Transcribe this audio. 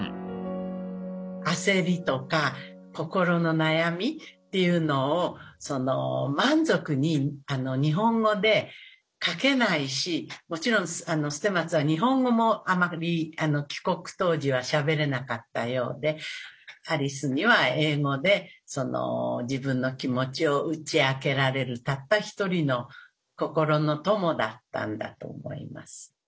焦りとか心の悩みっていうのを満足に日本語で書けないしもちろん捨松は日本語もあまり帰国当時はしゃべれなかったようでアリスには英語で自分の気持ちを打ち明けられるたった一人の心の友だったんだと思います。